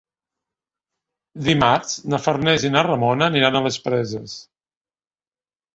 Dimarts na Farners i na Ramona aniran a les Preses.